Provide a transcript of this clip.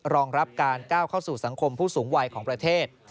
รองรับการก้าวเข้าสู่สังคมผู้สูงวัยของประเทศ